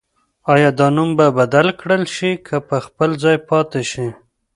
آیا دا نوم به بدل کړل شي که په خپل ځای پاتې شي؟